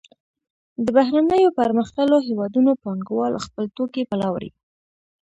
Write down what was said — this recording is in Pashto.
د بهرنیو پرمختللو هېوادونو پانګوال خپل توکي پلوري